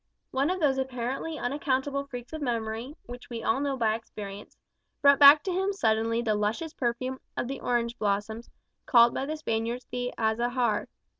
One of those apparently unaccountable freaks of memory, which we all know by experience, brought back to him suddenly the luscious perfume of the orange blossoms, called by the Spaniards the azahar.